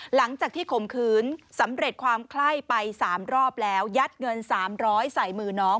หลังจากที่ข่มขืนสำเร็จความไคร้ไป๓รอบแล้วยัดเงิน๓๐๐ใส่มือน้อง